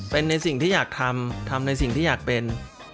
เป็นในสิ่งที่อยากทำทำในสิ่งที่อยากเป็น